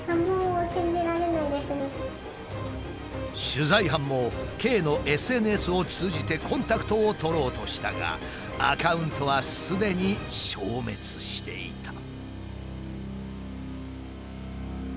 取材班もＫのＳＮＳを通じてコンタクトを取ろうとしたがアカウントはすでに消滅していた。